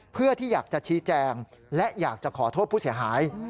เพื่อที่อยากจะชี้แจงและอยากจะขอโทษผู้เสียหาย